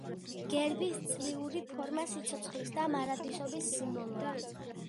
გერბის წლიური ფორმა სიცოცხლის და მარადისობის სიმბოლოა.